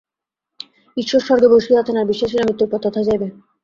ঈশ্বর স্বর্গে বসিয়া আছেন আর বিশ্বাসীরা মৃত্যুর পর তথায় যাইবে।